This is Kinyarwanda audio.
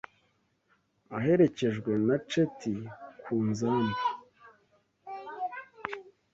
aherekejwe na Cheti ku nzamba